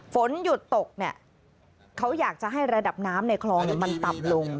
ฝนหยุดตกเนี่ยเขาอยากจะให้ระดับน้ำในคลองมันต่ำลง